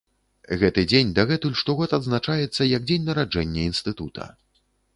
Гэты дзень дагэтуль штогод адзначаецца як дзень нараджэння інстытута.